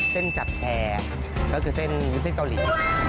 เส้นจับแชร์ก็คือเส้นเส้นเกาหลี